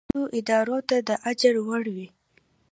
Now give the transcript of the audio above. دا اړوندو ادارو ته د اجرا وړ وي.